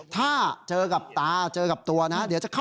ถ้าเจอกับตาเจอกับตัวนะฮะ